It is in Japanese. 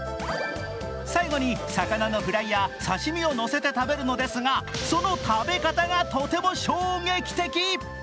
最後に魚のフライや刺身をのせて食べるのですがその食べ方がとても衝撃的！